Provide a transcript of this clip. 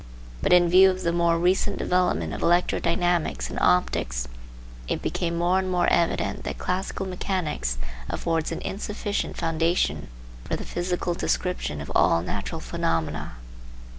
But in view of the more recent development of electrodynamics and optics it became more and more evident that classical mechanics affords an insufficient foundation for the physical description of all natural phenomena.